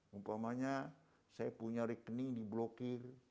mumpamanya saya punya rekening diblokir